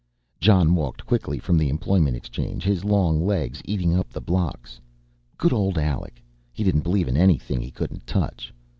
Jon walked quickly from the employment exchange, his long legs eating up the blocks. _Good old Alec, he didn't believe in anything he couldn't touch.